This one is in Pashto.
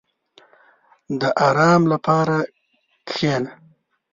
• د آرام لپاره کښېنه.